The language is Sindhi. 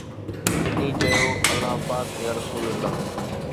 ٻنهي چيو: الله پاڪ يا رسول الله